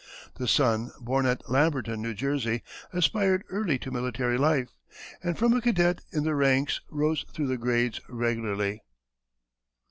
The son, born at Lamberton, N. J., aspired early to military life, and from a cadet in the ranks rose through the grades regularly.